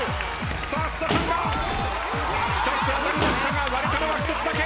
さあ菅田さんが！？２つ当たりましたが割れたのは１つだけ。